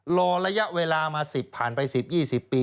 รอระยะเวลามา๑๐ผ่านไป๑๐๒๐ปี